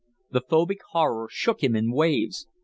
The phobic horror shook him in waves.